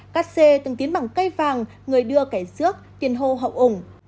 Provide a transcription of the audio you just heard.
cát xê thương tín bằng cây vàng người đưa kẻ dước tiền hô hậu ủng